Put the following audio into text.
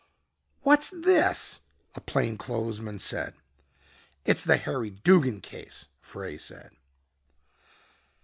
"What's this?" a plain clothes man said. "It's the Harry Duggin case," Frey said.